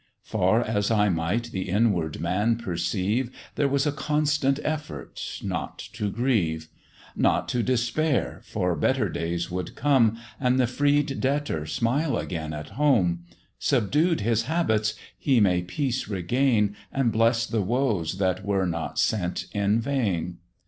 Far as I might the inward man perceive, There was a constant effort not to grieve: Not to despair, for better days would come, And the freed debtor smile again at home: Subdued his habits, he may peace regain, And bless the woes that were not sent in vain.